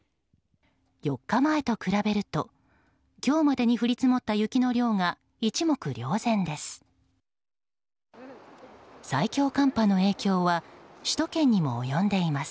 ４日前と比べると今日までに降り積もった雪の量が一目瞭然です。